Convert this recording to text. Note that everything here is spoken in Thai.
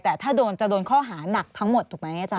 แต่ถ้าโดนจะโดนข้อหานักทั้งหมดถูกไหมอาจาร